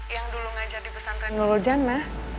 yang dulu ngajar di pesantren nurul jana